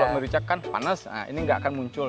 kalau merica kan panas ini nggak akan muncul